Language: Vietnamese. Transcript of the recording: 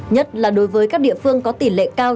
nhất là đối với các địa phương có tỷ lệ cao